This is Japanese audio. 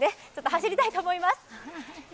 走りたいと思います。